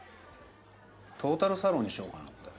トータルサロンにしようかなって。